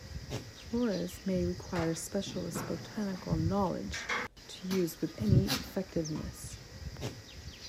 Floras may require specialist botanical knowledge to use with any effectiveness.